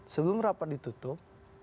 sebelum rapat ditutup